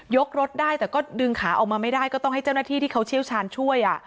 รถได้แต่ก็ดึงขาออกมาไม่ได้ก็ต้องให้เจ้าหน้าที่ที่เขาเชี่ยวชาญช่วย